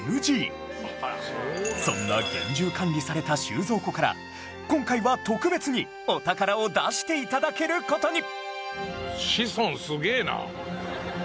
そんな厳重管理された収蔵庫から今回は特別にお宝を出して頂ける事に！